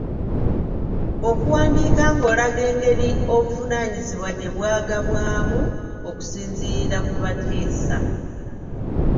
Okuwandiika ng’olaga engeri obuvunaanyizibwa gye bwagabwamu okusinziira ku bateesa.